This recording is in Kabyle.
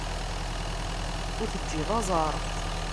Ur teǧǧiḍ aẓar.